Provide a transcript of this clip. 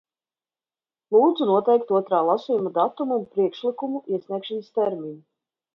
Lūdzu noteikt otrā lasījuma datumu un priekšlikumu iesniegšanas termiņu.